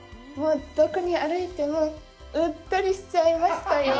どこを歩いても、うっとりしちゃいましたよ。